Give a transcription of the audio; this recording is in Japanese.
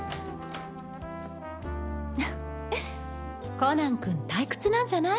フフコナン君退屈なんじゃない？